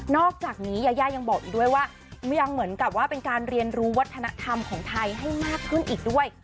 อกจากนี้ยายายังบอกอีกด้วยว่ายังเหมือนกับว่าเป็นการเรียนรู้วัฒนธรรมของไทยให้มากขึ้นอีกด้วย